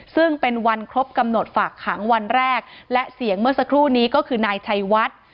ซึ่งเป็นวันครบกำหนดฝากขังวันแรกและเสียงเมื่อสักครู่นี้ก็คือนายชัยวัด